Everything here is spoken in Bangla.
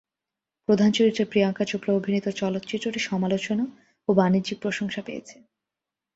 প্রধান চরিত্রে প্রিয়াঙ্কা চোপড়া অভিনীত চলচ্চিত্রটি সমালোচনা ও বাণিজ্যিক প্রশংসা পেয়েছে।